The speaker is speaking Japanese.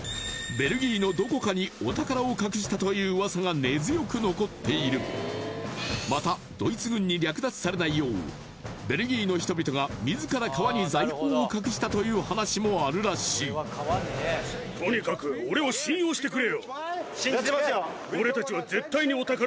ベルギーのどこかにお宝を隠したという噂が根強く残っているまたドイツ軍に略奪されないようベルギーの人々が自ら川に財宝を隠したという話もあるらしい信じますよ